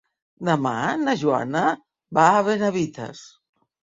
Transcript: Demà na Joana va a Benavites.